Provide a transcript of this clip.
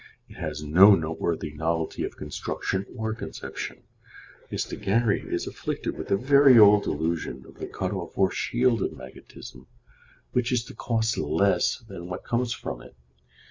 It has no noteworthy novelty of construction or conception. Mr. Gary is afflicted with the very old delusion of the cut off or shield of magnetism, which is to cost less than what comes from it.